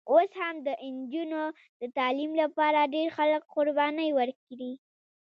اوس هم د نجونو د تعلیم لپاره ډېر خلک قربانۍ ورکړي.